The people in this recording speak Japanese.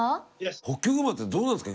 ホッキョクグマってどうなんですか？